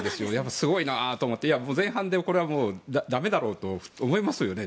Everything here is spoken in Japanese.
すごいなと思って前半で、だめだろうと思いましたよね。